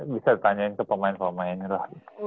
bisa ditanyain ke pemain pemain lah